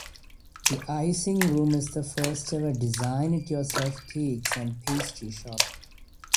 The Icing Room is the first-ever "Design-It-Yourself" cakes and pastry shop.